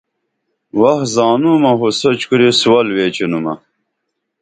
وخ زانومہ خو سوچ کُری سُول ویچینُمہ